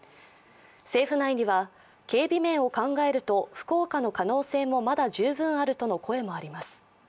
政府内には、警備面を考えると福岡の可能性もまだ十分あるとの声もあります。